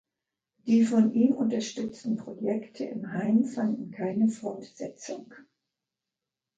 Die von ihm unterstützen Projekte im Heim fanden keine Fortsetzung.